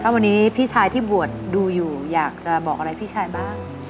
วันนี้พี่ชายที่บวชดูอยู่อยากจะบอกอะไรพี่ชายบ้าง